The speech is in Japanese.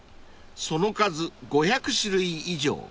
その数５００種類以上］